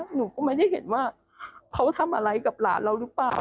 หนูก็ไม่ได้เห็นว่าเขาทำอะไรกับหลานเราหรือเปล่า